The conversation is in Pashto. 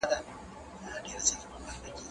زه مخکي تکړښت کړی و؟